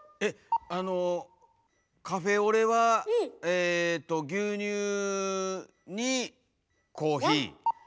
えっあのカフェオレはえと牛乳にコーヒー。